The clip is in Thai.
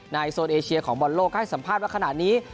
ในโซนเอเชียของบอลโลกให้สัมภาพว่าขนาดนี้